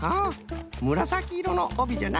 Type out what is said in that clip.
むらさきいろのおびじゃな。